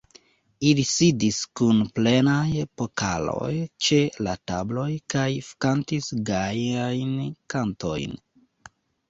Ili sidis kun plenaj pokaloj ĉe la tabloj kaj kantis gajajn kantojn.